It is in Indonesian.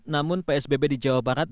namun psbb di jawa barat